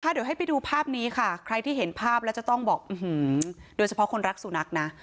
เดี๋ยวให้ไปดูภาพนี้ค่ะใครที่เห็นภาพแล้วจะต้องบอกโดยเฉพาะคนรักสุนัขนะ